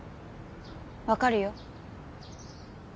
わかるよ。